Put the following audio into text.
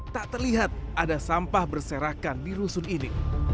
tak terlihat ada sampah berserakan di rusun ini